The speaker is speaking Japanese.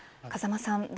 風間さん